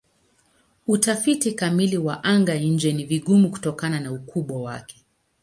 Utafiti kamili wa anga-nje ni vigumu kutokana na ukubwa wake.